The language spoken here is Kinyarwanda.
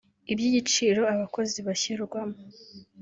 ibyiciro abakozi bashyirwamo